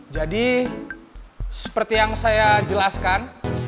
seperti yang saya jelaskan